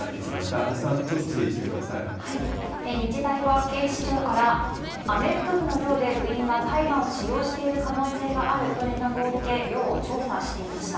足立さん、ちょっと整理してくだ日大は警視庁から、アメフト部の寮で部員が大麻を使用している可能性があると連絡を受け、寮を調査していました。